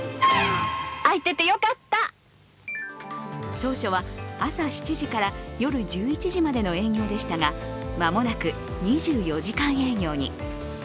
当初は朝７時から夜１１時までの営業でしたが間もなく２４時間営業に。